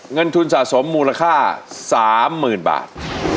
เงินทุนสะสมมูลค่า๓๐๐๐บาท